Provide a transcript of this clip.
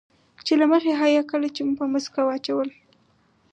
چې له مخې حيا کله چې مو پسکه واچوله.